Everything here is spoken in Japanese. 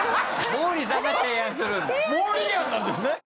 モーリー案なんですね。